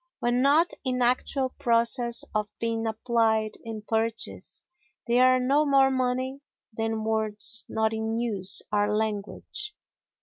When not in actual process of being applied in purchase they are no more money than words not in use are language.